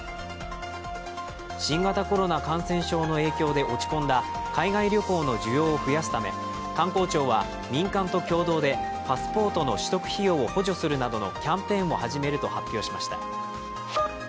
新型コロナ感染症の影響で落ち込んだ海外旅行の需要を増やすため観光庁は民間と共同でパスポートの取得費用を補助するなどのキャンペーンを始めると発表しました。